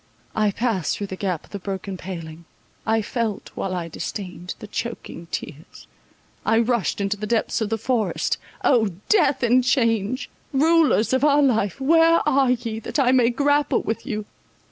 I passed through the gap of the broken paling—I felt, while I disdained, the choaking tears—I rushed into the depths of the forest. O death and change, rulers of our life, where are ye, that I may grapple with you!